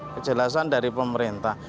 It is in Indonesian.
kejelasan dari pemerintah